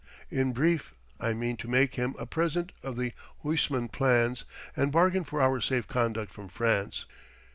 In brief, I mean to make him a present of the Huysman plans and bargain for our safe conduct from France."